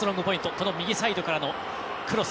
この右サイドからのクロス。